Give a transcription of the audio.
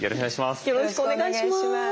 よろしくお願いします。